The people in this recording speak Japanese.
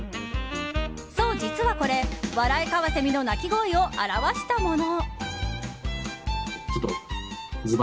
そう、実はこれワライカワセミの鳴き声を表したもの。